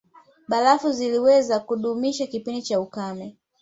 Barafu ziliweza kudumisha kipindi cha ukame